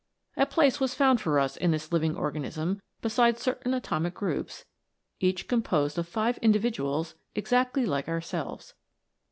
A place was found for us in this living organism beside certain atomic groups, each composed of five individuals exactly like ourselves.